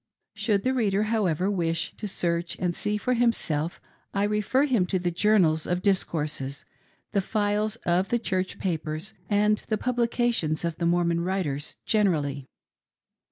Should the reader, howevef, wish to search and see for hiilft POLYTHEISM AMONG THE SAINTS. 297 seff, I refer him to the Journals of Discourses, the files of the Church papers, and the pubUcations of the Mormon writers generally.